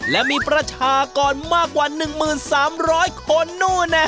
และมีประชากรมากกว่า๑หมื่น๓๐๐คน